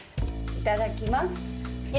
いただきます。